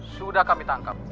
sudah kami tangkap